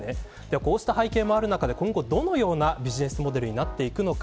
こうした背景もある中で今後どのようなビジネスモデルになるのか。